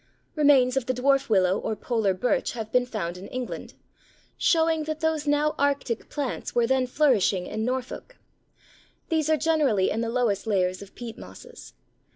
Remains of the Dwarf Willow or Polar Birch have been found in England, showing that those now Arctic plants were then flourishing in Norfolk. These are generally in the lowest layers of peat mosses.